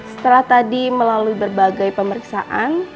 setelah tadi melalui berbagai pemeriksaan